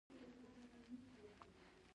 د پښتو د اوازونو ساتنه زموږ مسوولیت دی.